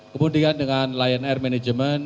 kemudian dengan lion air management